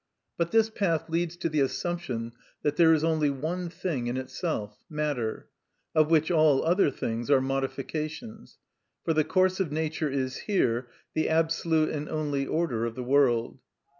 But this path leads to the assumption that there is only one thing in itself, matter; of which all other things are modifications; for the course of nature is here the absolute and only order of the world.